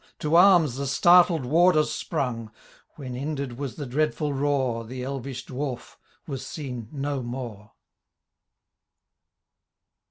To arms the startled warders sprung. When ended was the dreadful roar, The elvish dwarf was seen no more